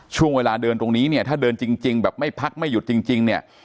ช่วงเวลาเดินตรงนี้เนี่ยถ้าเดินจริงแบบไม่พักไม่หยุดจริงเนี่ย